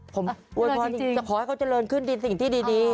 ผมโยนพอให้เขาเจริญขึ้นสิ่งที่ดี